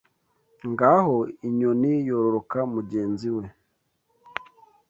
Ngaho inyoni yororoka mugenzi we